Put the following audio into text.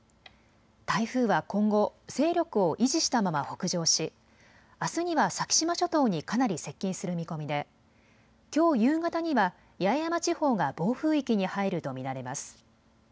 台風は今後、勢力を維持したまま北上しあすには先島諸島にかなり接近する見込みできょう夕方には八重山地方が暴風域に入ると見られます。